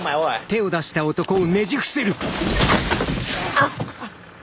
あっ。